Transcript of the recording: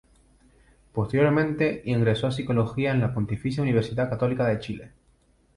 Posteriormente ingresó a Psicología en la Pontificia Universidad Católica de Chile.